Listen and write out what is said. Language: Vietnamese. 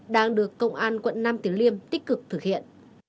đang được công an quận năm tiếng liêm tích cực thực hiện